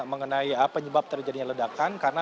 mengenai penyebab terjadinya ledakan karena